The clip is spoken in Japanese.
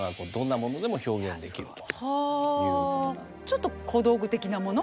ちょっと小道具的なもの